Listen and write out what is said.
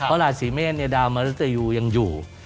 เพราะราศีเมษดาวมริตยูยังอยู่